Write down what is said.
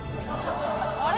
あれ？